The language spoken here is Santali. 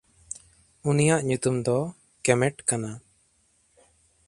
ᱩᱱᱤᱭᱟᱜ ᱧᱩᱛᱩᱢ ᱫᱚ ᱠᱮᱢᱮᱴ ᱠᱟᱱᱟ᱾